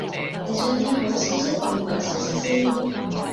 你想聽好消息定壞消息先？